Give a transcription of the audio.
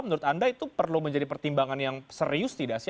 menurut anda itu perlu menjadi pertimbangan yang serius tidak sih